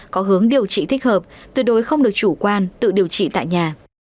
có hướng điều trị thích hợp tuyệt đối không được chủ quan tự điều trị tại nhà